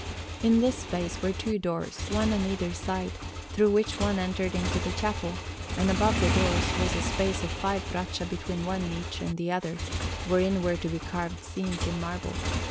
In this space were two doors, one on either side, through which one entered into the chapel; and above the doors was a space of five braccia between one niche and another, wherein were to be carved scenes in marble.